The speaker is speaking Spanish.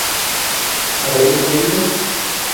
habréis bebido